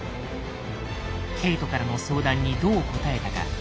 ケイトからの相談にどう答えたか。